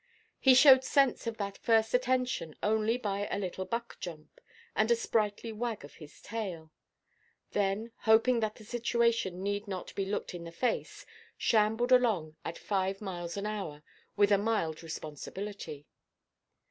He showed sense of that first attention only by a little buck–jump, and a sprightly wag of his tail; then, hoping that the situation need not be looked in the face, shambled along at five miles an hour, with a mild responsibility.